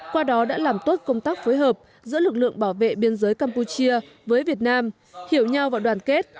qua đó đã làm tốt công tác phối hợp giữa lực lượng bảo vệ biên giới campuchia với việt nam hiểu nhau và đoàn kết